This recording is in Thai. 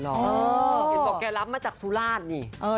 แบบเค้ารับมาจากสุราชน์นี่